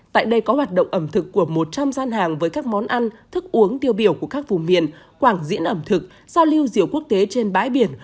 tại đây có hoạt động ẩm thực của một trăm linh gian hàng với các món ăn thức uống tiêu biểu của các vùng miền quảng diễn ẩm thực giao lưu diều quốc tế trên bãi biển